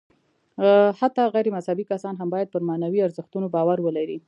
حتی غیر مذهبي کسان هم باید پر معنوي ارزښتونو باور ولري.